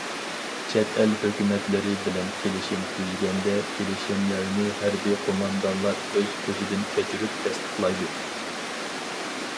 چەت ئەل ھۆكۈمەتلىرى بىلەن كېلىشىم تۈزگەندە، كېلىشىملەرنى ھەربىي قوماندانلار ئۆز كۆزىدىن كۆچۈرۈپ تەستىقلايدۇ.